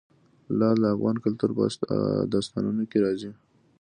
لعل د افغان کلتور په داستانونو کې راځي.